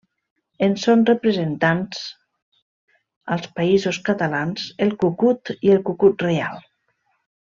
En són representants als Països Catalans el cucut i el cucut reial.